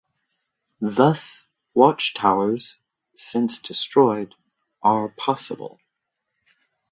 Thus, watch towers, since destroyed, are possible.